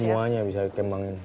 semuanya bisa dikembangin